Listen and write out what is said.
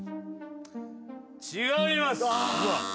違います。